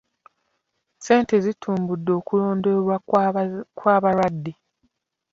Ssente zitumbudde okulondoolwa kw'abalwadde.